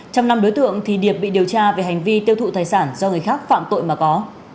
trong năm đối tượng thì điệp bị điều tra về hành vi tiêu thụ tài sản do người khác phạm tội mà có